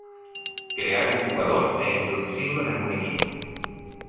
Crear un jugador e introducirlo en algún equipo.